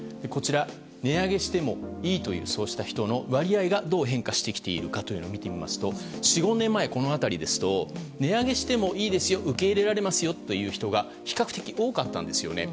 値上げしてもいいという人の割合がどう変化してきているかを見てみますと、４５年前は値上げしてもいいですよ受け入れられますよという人が比較的多かったんですよね。